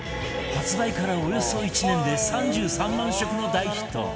発売からおよそ１年で３３万食の大ヒット